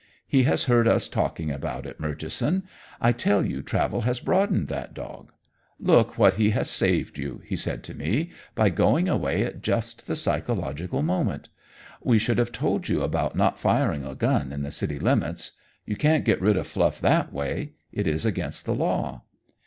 He has heard us talking about it, Murchison. I tell you travel has broadened that dog! Look what he has saved you," he said to me, "by going away at just the psychological moment. We should have told you about not firing a gun in the city limits. You can't get rid of Fluff that way. It is against the law."